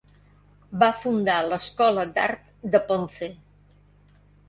Va fundar l'Escola d'Art de Ponce.